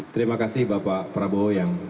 terima kasih bapak prabowo yang